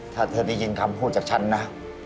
ถ้าเธอได้ยินคำพูดจากฉันนะ